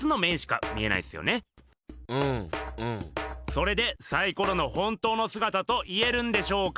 それでサイコロの本当のすがたと言えるんでしょうか？